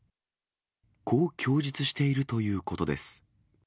こう供述しているということです。